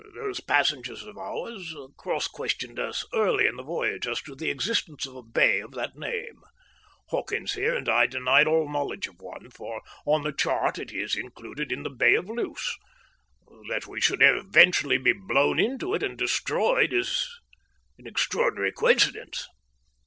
"These passengers of ours cross questioned us early in the voyage as to the existence of a bay of that name. Hawkins here and I denied all knowledge of one, for on the chart it is included in the Bay of Luce. That we should eventually be blown into it and destroyed is an extraordinary coincidence."